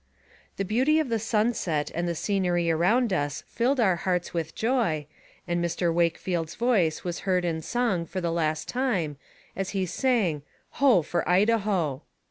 The beauty of the sunset and the scenery around us filled our hearts with joy, and Mr. Wakefield's voice was heard in song for the last time, as he sang, " Ho! tor Idaho."